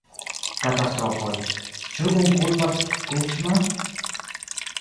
Katastrofoj: ĉu kunkulpas Kuĉma?